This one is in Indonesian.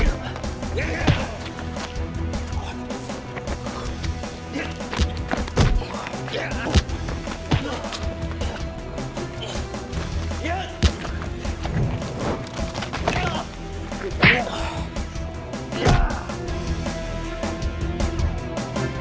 aku akan mencarian kau